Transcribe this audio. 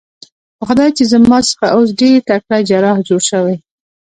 په خدای چې زما څخه اوس ډېر تکړه جراح جوړ شوی.